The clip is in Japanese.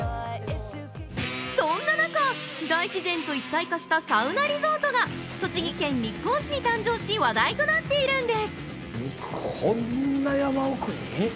そんな中、大自然と一体化したサウナリゾートが栃木県日光市に誕生し話題となっているんです。